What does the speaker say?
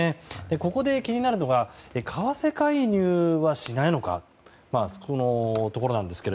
ここで気になるのが為替介入はしないのかというところですが